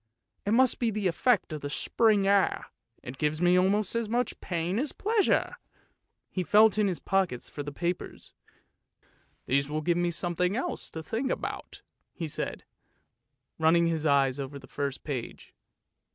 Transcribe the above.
It must be the effect of the spring air, it gives me almost as much pain as pleasure! " He felt in his pockets for the papers. " These will give me something else to think about," he said, running his eyes over the first page.